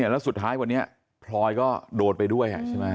แล้วสุดท้ายวันนี้พลอยก็โดนไปด้วยใช่ไหม